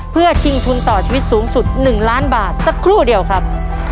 เพื่อชิงทุนต่อชีวิตสูงสุด๑ล้านบาทสักครู่เดียวครับ